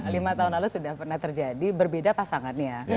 lima tahun lalu sudah pernah terjadi berbeda pasangannya